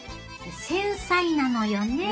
繊細なのよね